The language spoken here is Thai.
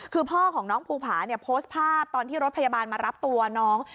คือพ่อของน้องภูผาเนี่ยโพสต์ภาพตอนที่รถพยาบาลมารับตัวน้อง